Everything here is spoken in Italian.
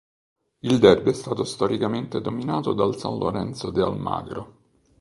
Il derby è stato storicamente dominato dal San Lorenzo de Almagro.